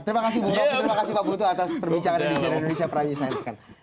terima kasih bu rocky terima kasih pak futu atas perbincangan indonesia prajurit